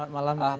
selamat malam mas